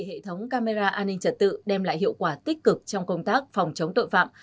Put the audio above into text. hệ thống camera an ninh trật tự đem lại hiệu quả tích cực trong công tác phòng chống tội phạm